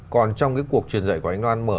còn trong cái cuộc truyền dạy của anh loan mở